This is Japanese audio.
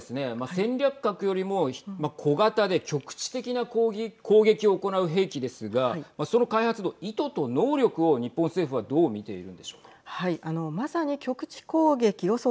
戦略核よりも小型で局地的な攻撃を行う兵器ですがその開発の意図と能力を日本政府はどう見ているんでしょうか。